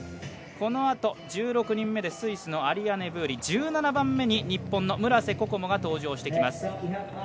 このあと１６人目でスイスのアリアネ・ブーリ１７番目に日本の村瀬心椛が登場してきます。